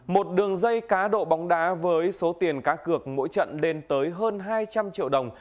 một đường dây cá độ bóng đá với số tiền cá cược mỗi trận lên tới hơn hai trăm linh triệu đồng